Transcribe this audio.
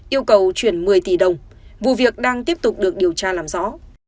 yêu cầu chuyển một mươi tỷ đồng vụ việc đang tiếp tục được điều tra làm rõ